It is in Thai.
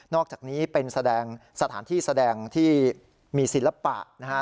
อกจากนี้เป็นแสดงสถานที่แสดงที่มีศิลปะนะฮะ